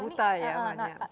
berarti buta ya